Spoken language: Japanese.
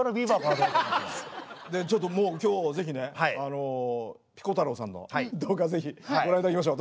ちょっともう今日ぜひねピコ太郎さんの動画ぜひご覧頂きましょう。